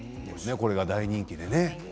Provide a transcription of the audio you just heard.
これが大人気なんですね。